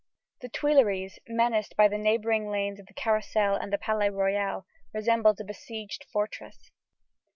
The Tuileries, menaced by the neighboring lanes of the Carrousel and the Palais Royal, resembles a besieged fortress.